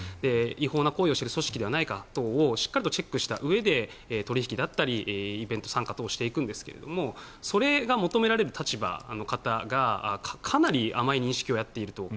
違法な行為をしている組織でないか等をしっかりとチェックしたうえで取引だったりイベント参加等をしていくんですがそれが求められる立場の方がかなり甘い認識をやっていると。